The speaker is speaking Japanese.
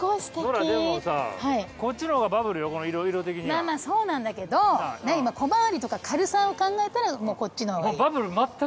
まあまあそうなんだけど今小回りとか軽さを考えたらもうこっちの方がいい。